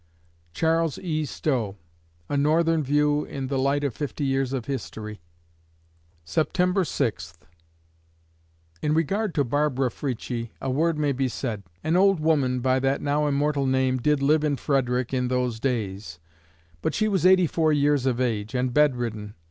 CHARLES E. STOWE (A Northern view in the light of fifty years of history) September Sixth In regard to Barbara Frietchie a word may be said: An old woman by that now immortal name did live in Frederick in those days, but she was 84 years of age and bed ridden.